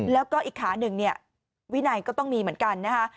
แล้วก็อีกขาหนึ่งเนี่ยวินัยก็ต้องมีเหมือนกันนะคะ